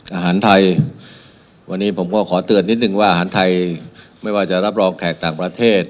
อาหารไทยวันนี้ผมก็ขอเตือนนิดนึงว่าอาหารไทยไม่ว่าจะรับรองแขกต่างประเทศ